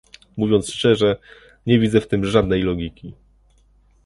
Mówiąc szczerze, nie widzę w tym żadnej logiki